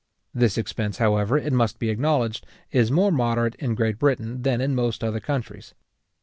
This expense, however, it must be acknowledged, is more moderate in Great Britain than in most other countries.